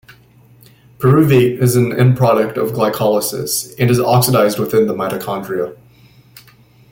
Pyruvate is an end product of glycolysis, and is oxidized within the mitochondria.